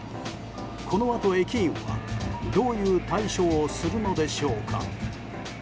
このあと駅員は、どういう対処をするのでしょうか。